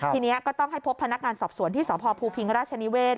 ทีนี้ก็ต้องให้พบพนักงานสอบสวนที่สพภูพิงราชนิเวศ